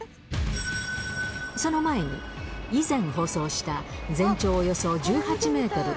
その前に、以前放送した全長およそ１８メートル、